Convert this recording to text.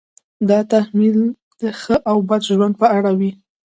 دا تحمیل د ښه او بد ژوند په اړه وي.